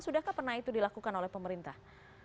sudahkah pernah itu dilakukan oleh pemerintah